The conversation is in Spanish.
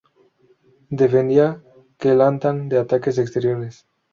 Defendía Kelantan de ataques exteriores.